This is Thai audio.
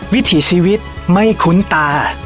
วิถีชีวิตไม่คุ้นตา